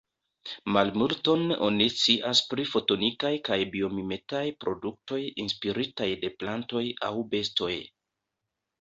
Malmulton oni scias pri fotonikaj kaj biomimetaj produktoj inspiritaj de plantoj aŭ bestoj.